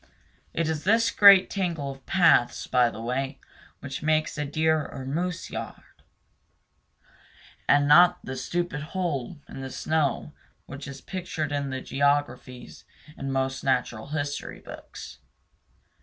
It is this great tangle of paths, by the way, which makes a deer or a moose yard; and not the stupid hole in the snow which is pictured in the geographies and most natural history books.